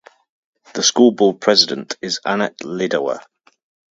The school board president is Annette Lidawer.